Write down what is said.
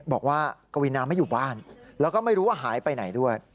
บอกว่ากวีนาไม่อยู่บ้านแล้วก็ไม่รู้ว่าหายไปไหนด้วย